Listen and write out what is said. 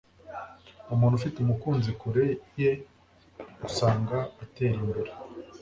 Umuntu ufite umukunzi kure ye usanga atera imbere